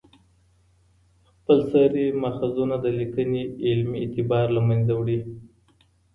خپلسري ماخذونه د لیکني علمي اعتبار له منځه وړي.